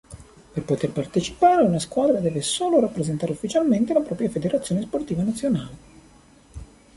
Per poter partecipare, una squadra deve solo rappresentare ufficialmente la propria federazione sportiva nazionale.